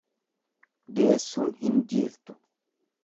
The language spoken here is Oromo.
Deessuun hin jiiltu.